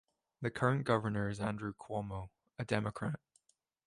The current governor is Andrew Cuomo, a Democrat.